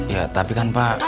ya tapi kan pak